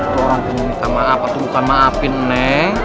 tuh orang panggil minta maaf itu bukan maafin ne